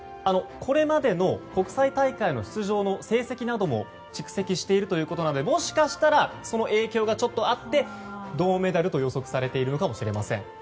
これまでの国際大会の出場の成績なども蓄積しているということなのでもしかしたら、その影響がちょっとあって銅メダルと予測されているのかもしれません。